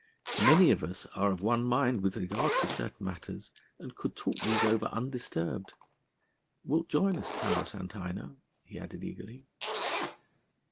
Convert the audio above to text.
Many of us are of one mind with regard to certain matters and could talk these over undisturbed. Wilt join us, Taurus Antinor?" he added eagerly.